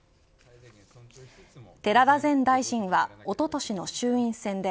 寺田前大臣はおととしの衆院選で